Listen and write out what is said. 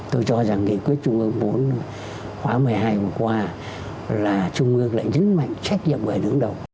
tôi cho rằng nghị quyết trung ương bốn khóa một mươi hai vừa qua là trung ương lại nhấn mạnh trách nhiệm người đứng đầu